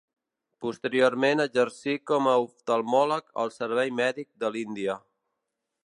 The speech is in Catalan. Posteriorment exercí com a oftalmòleg al Servei Mèdic de l'Índia.